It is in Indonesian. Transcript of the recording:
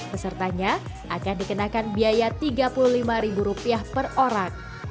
pesertanya akan dikenakan biaya rp tiga puluh lima per orang